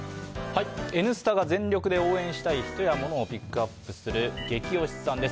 「Ｎスタ」が全力で応援したい人やものをピックアップするゲキ推しさんです。